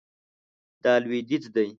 دا لویدیځ دی